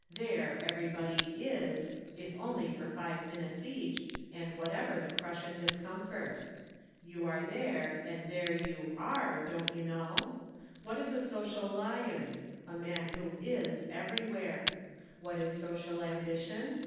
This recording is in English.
There everybody is if only for five minutes each, and whatever the crush and discomfort. You are there and there you are, don't you know? What is a social lion? A man who is everywhere. What is social ambition?